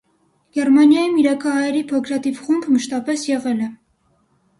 Գերմանիայում իրաքահայերի փոքրաթիվ խումբ մշտապես եղել է։